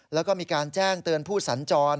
แล้วก็มีการแจ้งเตือนผู้สัญจร